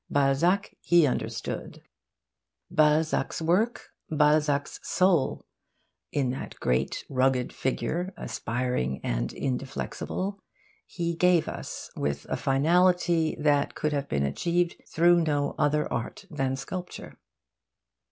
Balzac he understood. Balzac's work, Balzac's soul, in that great rugged figure aspiring and indeflexible, he gave us with a finality that could have been achieved through no other art than sculpture.